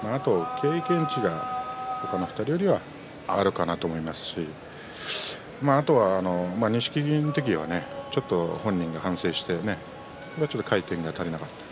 経験値が、この２人よりは上がるかなと思いますしあとは錦木の時はちょっと本人が反省して回転が足りなかったと。